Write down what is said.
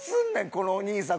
このお兄さん。